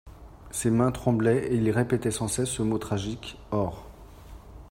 Ses mains tremblaient et il répétait sans cesse ce mot tragique: OR.